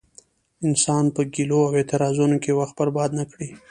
انسان په ګيلو او اعتراضونو کې وخت برباد نه کړي.